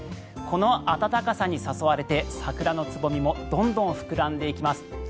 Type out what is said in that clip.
この暖かさに誘われて桜のつぼみもどんどん膨らんでいきます。